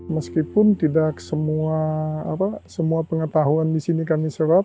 meskipun tidak semua pengetahuan di sini kami serap